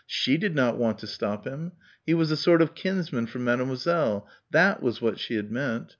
She did not want to stop him.... He was a sort of kinsman for Mademoiselle ... that was what she had meant.